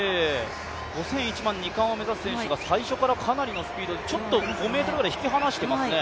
５０００、１００００の２冠を目指す選手が最初からかなりのペースで、ちょっと５ｍぐらい引き離してますね。